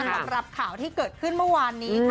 สำหรับข่าวที่เกิดขึ้นเมื่อวานนี้ค่ะ